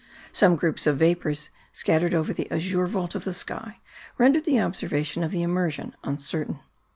Some groups of vapours, scattered over the azure vault of the sky, rendered the observation of the immersion uncertain.